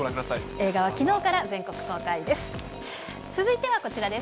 映画はきのうから全国公開です。